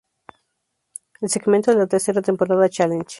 El segmento de la tercera temporada Challenge!